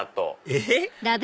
えっ？